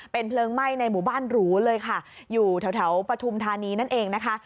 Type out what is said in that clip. เป็นเพลิงไหม้ในหมู่บ้านหรูเลยค่ะอยู่แถวปฐุมธานีนั่นเองนะคะ